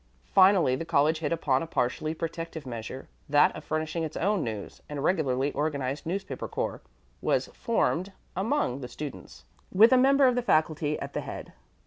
Finally the college hit upon a partially protective measure that of furnishing its own news; and a regularly organized newspaper corps was formed among the students, with a member of the faculty at the head.